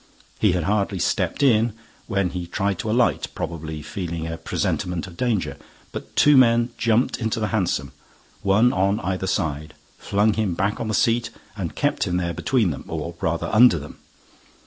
He had hardly stepped in, when he tried to alight, probably feeling a presentiment of danger. But two men jumped into the hansom, one on either side, flung him back on the seat and kept him there between them, or rather under them.